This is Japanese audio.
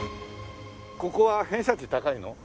ここは偏差値高いの？